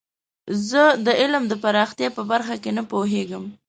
زه د علم د پراختیا په برخه کې نه پوهیږم.